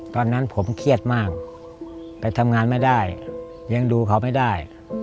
ตอนนั้นผมเครียดมากไปทำงานไม่ได้ยังดูเขาไม่ได้